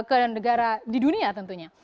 ke negara di dunia tentunya